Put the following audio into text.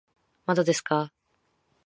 まだですかー